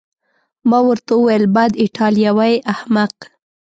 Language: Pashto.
ما ورته وویل: بد، ایټالوی احمق.